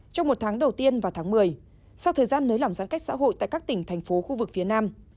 trong một tháng đầu tiên vào tháng một mươi sau thời gian nới lỏng giãn cách xã hội tại các tỉnh thành phố khu vực phía nam